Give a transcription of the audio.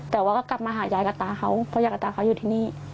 แต่ว่าก็กลับมาหายายกับตาเขาเพราะยายกับตาเขาอยู่ที่นี่